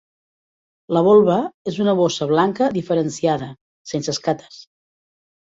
La volva és una bossa blanca diferenciada, sense escates.